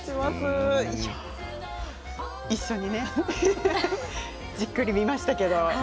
一緒にねじっくり見ましたけれど。